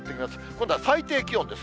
今度は最低気温です。